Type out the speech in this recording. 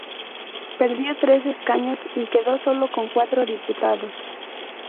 Perdió tres escaños y quedó sólo con cuatro diputados.